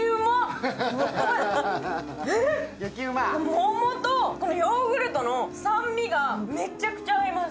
桃とヨーグルトの酸味がめちゃくちゃ合います。